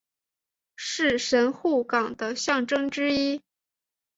是神户港的象征之一。